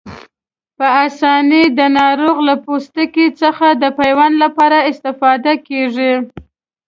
په آسانۍ د ناروغ له پوستکي څخه د پیوند لپاره استفاده کېږي.